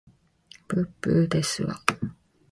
ぶっぶーですわ